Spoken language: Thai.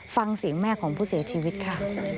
ฟังเสียงแม่ของผู้เสียชีวิตค่ะ